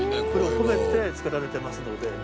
これを込めて作られてますので。